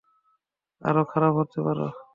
আরও খারাপ হতে পারত।